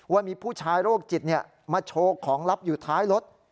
ว่ามีผู้ชายโรคจิตมาโชว์ของลับอยู่ท้ายรถ